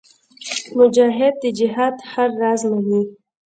مجاهد د جهاد هر راز منې.